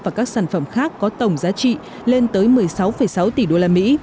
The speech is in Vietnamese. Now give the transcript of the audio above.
và các sản phẩm khác có tổng giá trị lên tới một mươi sáu